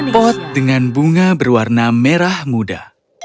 pot dengan bunga berwarna merah muda